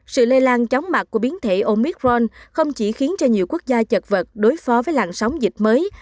sự lây lan chóng mặt của biến thể omic ron không chỉ khiến cho nhiều quốc gia chật vật đối phó với làn sóng dịch mới